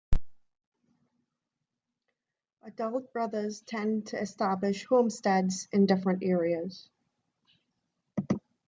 Adult brothers tend to establish homesteads in different areas.